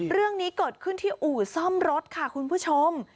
เรื่องนี้เกิดขึ้นที่อู่ซ่อมรถค่ะคุณผู้ชม